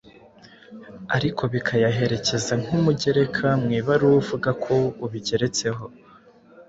ariko bikayiherekeza nk’umugereka. Mu ibaruwa uvuga ko ubigeretseho.